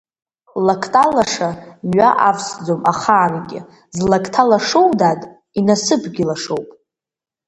Лакҭа лаша мҩа авсӡом ахаангьы, злакҭа лашоу, дад, инасыԥгьы лашоуп.